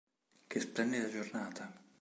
Che splendida giornata!".